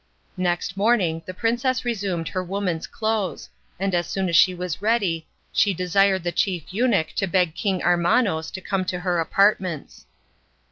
Next morning the princess resumed her woman's clothes, and as soon as she was ready she desired the chief eunuch to beg King Armanos to come to her apartments.